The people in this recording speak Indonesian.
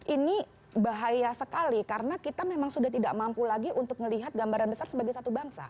ini bahaya sekali karena kita memang sudah tidak mampu lagi untuk melihat gambaran besar sebagai satu bangsa